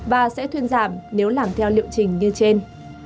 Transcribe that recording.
và sẽ thuyên giảm nếu làm theo liệu trình như trên